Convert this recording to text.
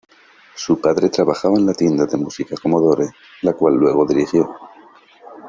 Su padre trabajaba en la tienda de música Commodore, la cual luego dirigió.